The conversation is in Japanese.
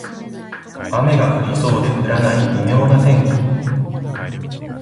雨が降りそうで降らない微妙な天気